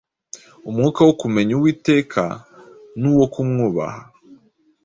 Umwuka wo kumenya Uwiteka n’uwo kumwubaha.”.